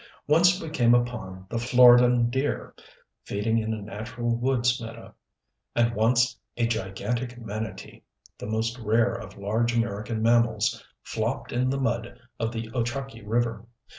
Once we came upon the Floridan deer, feeding in a natural woods meadow, and once a gigantic manatee, the most rare of large American mammals, flopped in the mud of the Ochakee River.